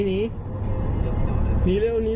หนีเร็ว